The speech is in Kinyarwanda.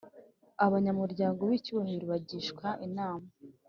Abanyamuryango b icyubahiro bagishwa inama